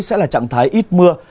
sẽ là trạng thái ít mưa